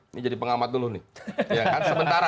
ini jadi pengamat dulu nih